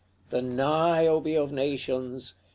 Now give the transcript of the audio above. The Niobe of nations!